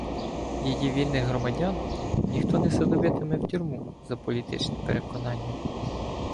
Її вільних громадян ніхто не садовитиме в тюрму за політичні переконання.